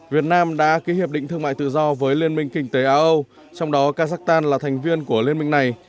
việt nam đã ký hiệp định thương mại tự do với liên minh kinh tế á âu trong đó kazakhstan là thành viên của liên minh này